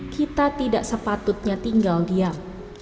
kita tidak sepatutnya tinggal diam